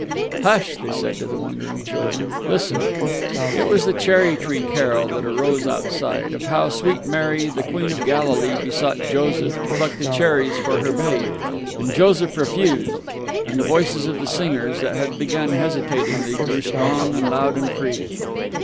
"Hush!" they said to the wondering children; "listen!..." It was the Cherry Tree Carol that rose outside, of how sweet Mary, the Queen of Galilee, besought Joseph to pluck the cherries for her Babe, and Joseph refused; and the voices of the singers, that had begun hesitatingly, grew strong and loud and free.